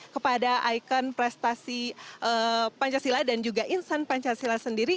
kepada ikon prestasi pancasila dan juga insan pancasila sendiri